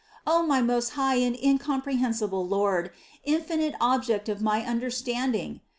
O my most high and incompre hensible Lord, infinite Object of my understanding!